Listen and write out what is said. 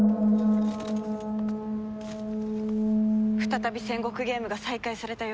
再び戦国ゲームが再開されたようです。